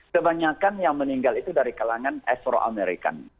kebanyakan yang meninggal itu dari kalangan afro amerikan